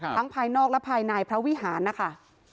ภายนอกและภายในพระวิหารนะคะ